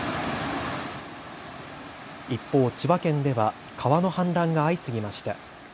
一方、千葉県では川の氾濫が相次ぎました。